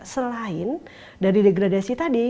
selain dari degradasi tadi